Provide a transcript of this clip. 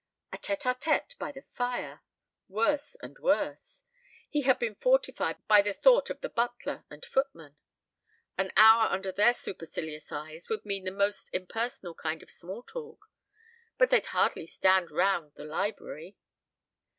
A tête à tête by the fire! Worse and worse. He had been fortified by the thought of the butler and footman. An hour under their supercilious eyes would mean the most impersonal kind of small talk. But they'd hardly stand round the library.